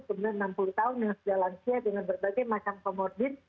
sebenarnya enam puluh tahun dengan sedalannya dengan berbagai macam komordin